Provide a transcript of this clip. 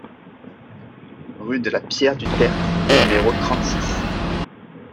Rue de la Pierre du Tertre au numéro trente-six